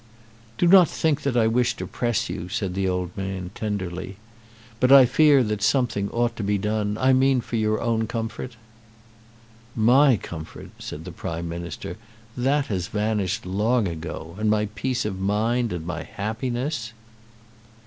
"Do not think that I wish to press you," said the old man, tenderly; "but I fear that something ought to be done; I mean for your own comfort." "My comfort!" said the Prime Minister. "That has vanished long ago; and my peace of mind, and my happiness."